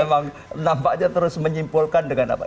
memang nampaknya terus menyimpulkan dengan apa